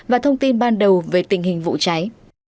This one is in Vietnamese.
và thông tin ban đầu về tình hình vụ cháy